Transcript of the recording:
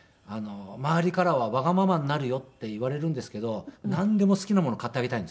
周りからは「わがままになるよ」って言われるんですけどなんでも好きなもの買ってあげたいんですよ。